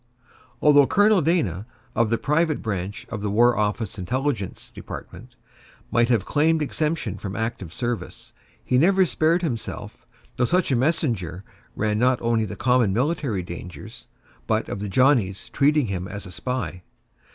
Although Colonel Dana, of the private branch of the War Office Intelligence Department, might have claimed exemption from active service, he never spared himself, though such a messenger ran not only the common military dangers, but of the Johnnies treating him as a spy.